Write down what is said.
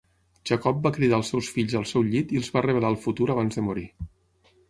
Jacob va cridar els seus fills al seu llit i els va revelar el futur abans de morir.